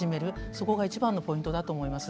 そこが一番のポイントだと思います。